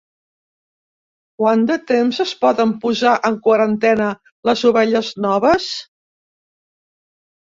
Quant de temps es poden posar en quarantena les ovelles noves?